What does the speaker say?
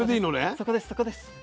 そこですそこです。